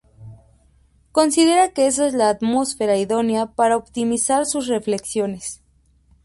Considera que esa es la atmósfera idónea para optimizar sus reflexiones.